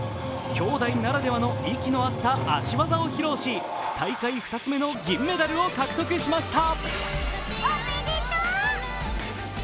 きょうだいならではの息の合った足技を披露し、大会２つ目の銀メダルを獲得しました。